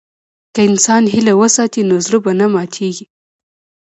که انسان هیله وساتي، نو زړه به نه ماتيږي.